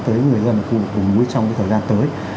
tới người dân ở khu vực vùng núi trong thời gian tới